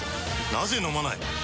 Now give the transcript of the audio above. なぜ飲まない？